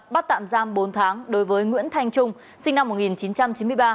bắt tạm giam bốn tháng đối với nguyễn thanh trung sinh năm một nghìn chín trăm chín mươi ba